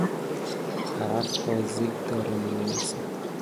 طرف با زیگ داره مینویسه.